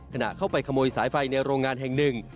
ขณะเข้าไปขโมยสายไฟในโรงงานแห่งหนึ่ง